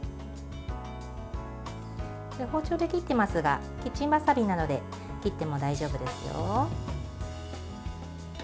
包丁で切っていますがキッチンバサミなどで切っても大丈夫ですよ。